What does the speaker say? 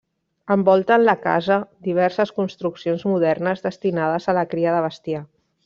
Envolten la casa diverses construccions modernes destinades a la cria de bestiar.